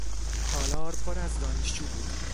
تالار پر از دانشجو بود.